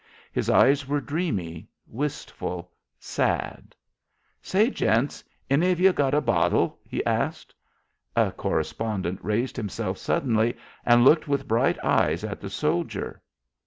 His eyes were dreamy, wistful, sad. "Say, gents, have any of ye got a bottle?" he asked. A correspondent raised himself suddenly and looked with bright eyes at the soldier.